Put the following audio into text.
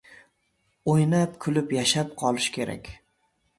Oʻynab-kulib yashab qolish kerak.